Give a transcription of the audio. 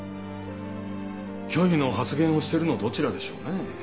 虚偽の発言をしてるのどちらでしょうね。